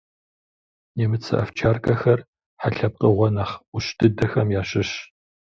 Нэмыцэ овчаркэхэр хьэ лъэпкъыгъуэ нэхъ ӏущ дыдэхэм ящыщщ.